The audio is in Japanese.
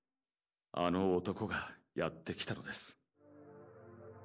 あの男がやって来たのです。